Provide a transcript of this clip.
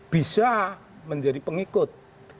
bisa menjadi pengikut